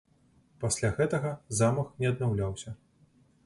Пасля гэтага замак не аднаўляўся.